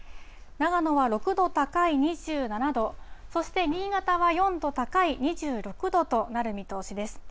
長野は６度高い２７度、そして新潟は４度高い２６度となる見通しです。